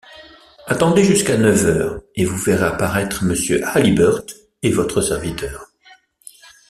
Attendez jusqu’à neuf heures, et vous verrez apparaître Mr. Halliburtt et votre serviteur.